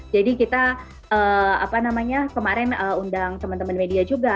jadi kita apa namanya kemarin undang teman teman media juga